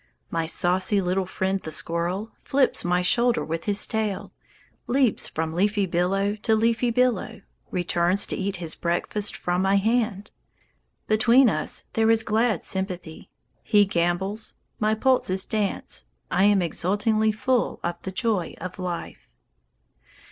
My saucy little friend the squirrel Flips my shoulder with his tail, Leaps from leafy billow to leafy billow, Returns to eat his breakfast from my hand. Between us there is glad sympathy; He gambols; my pulses dance; I am exultingly full of the joy of life!